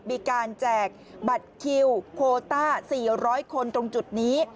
แจกบัตรคิวโคต้า๔๐๐คนตรงจุดนี้